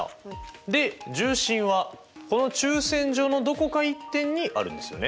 で重心はこの中線上のどこか１点にあるんですよね。